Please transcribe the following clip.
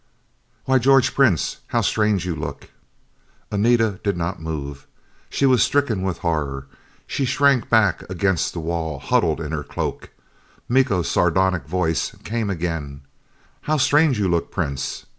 "Why, George Prince! How strange you look!" Anita did not move. She was stricken with horror; she shrank back against the wall, huddled in her cloak. Miko's sardonic voice came again: "How strange you look, Prince!"